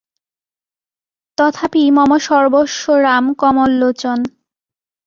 তথাপি মম সর্বস্ব রাম কমললোচনঃ।